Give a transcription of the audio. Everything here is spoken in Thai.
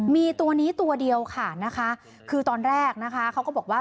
มีตัวนี้ตัวเดียวค่ะนะคะคือตอนแรกนะคะเขาก็บอกว่า